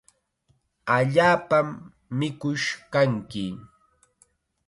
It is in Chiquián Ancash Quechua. Allaapam mikush kanki.